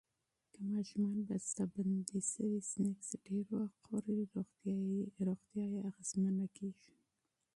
که ماشومان بستهبندي شوي سنکس ډیر وخوري، روغتیا یې اغېزمنه کېږي.